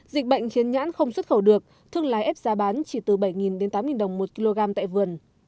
dịch bệnh khiến nhãn không xuất khẩu được thương lái ép giá bán chỉ từ bảy đến tám đồng một kg tại vườn